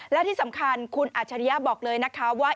และที่สำคัญคุณอัจฉริยะบอกเลยนะคะว่า